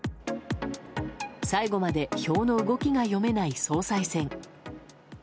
最後まで票の動きが読めない総裁選。